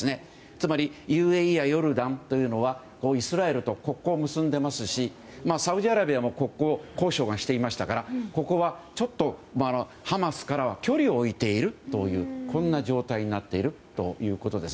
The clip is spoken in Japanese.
つまり、ＵＡＥやヨルダンというのはイスラエルと国交を結んでいますしサウジアラビアも国交交渉はしていましたからここはちょっとハマスからは距離を置いているという状態になっているということです。